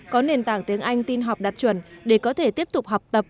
có nền tảng tiếng anh tin học đạt chuẩn để có thể tiếp tục học tập